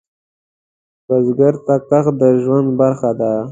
بزګر ته کښت د ژوند برخه ده